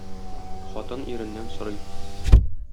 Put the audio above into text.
Хатын иреннән сорый